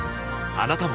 あなたも